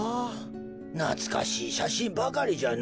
なつかしいしゃしんばかりじゃのう。